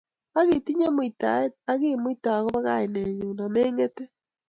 Ak itinye muitaet ak kiimuite agobo kainennyu, ameng'ete.